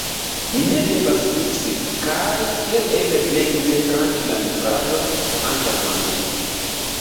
Ni ne devas miksi, kaj kiel eble plej ne tranĉi la nutraĵon antaŭ manĝi.